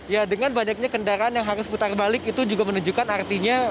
ya dengan banyaknya kendaraan yang harus putar balik itu juga menunjukkan artinya